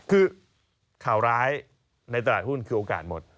คือข่าวร้ายในตลาดหุ้นคือโอกาสหมด